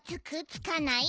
つかない？